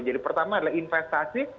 jadi pertama adalah investasi